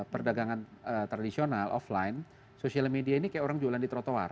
perdagangan tradisional offline sosial media ini kayak orang jualan di trotoar